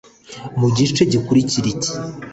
Mu gice gikurikira iki